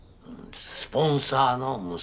スポンサーの娘。